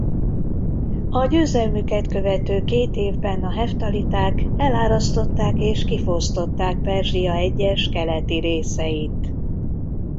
A győzelmüket követő két évben a heftaliták elárasztották és kifosztották Perzsia egyes keleti részeit.